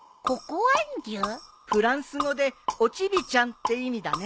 フランス語でおちびちゃんって意味だね。